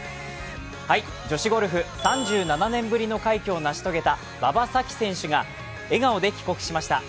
女子ゴルフ、３７年ぶりの快挙を成し遂げた馬場咲希選手が笑顔で帰国しました。